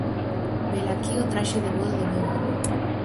-Velaquí o traxe de voda do meu home.